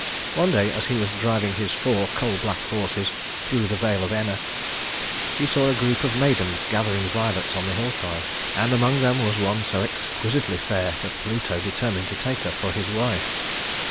One day, as he was driving his four coal black horses through the vale of Enna, he saw a group of maidens gathering violets on the hillside; and among them was one so exquisitely fair that Pluto determined to take her for his wife.